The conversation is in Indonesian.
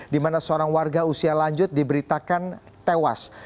dimana seorang warga usia lanjut diberitakan tewas